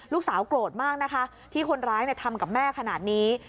ลูกสาวโกรธมากนะคะที่คนร้ายทำกับแม่ขนาดนี้